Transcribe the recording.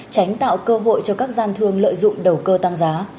tránh tạo cơ hội cho các gian thương lợi dụng đầu cơ tăng giá